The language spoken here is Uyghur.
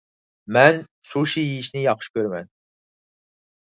مەن سۇشى يېيىشنى ياخشى كۆرىمەن.